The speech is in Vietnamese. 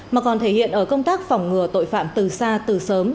nó còn thể hiện ở công tác phỏng ngừa tội phạm từ xa từ sớm